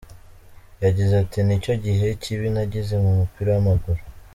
Yagize ati “Ni cyo gihe kibi nagize mu mupira w’amaguru.